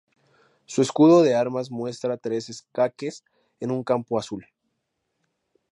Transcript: Su escudo de armas muestra tres escaques en un campo azul.